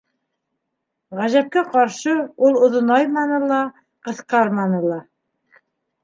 Ғәжәпкә ҡаршы, ул оҙонайманы ла, ҡыҫҡарманы ла.